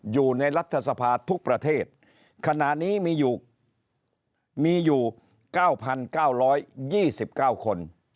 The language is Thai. อยู่ในรัฐสภาทุกประเทศขณะนี้มีอยู่มีอยู่๙๙๒๙คน